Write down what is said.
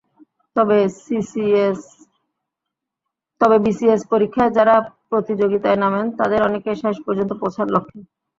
তবে বিসিএস পরীক্ষায় যাঁরা প্রতিযোগিতায় নামেন, তাঁদের অনেকেই শেষ পর্যন্ত পৌঁছান লক্ষ্যে।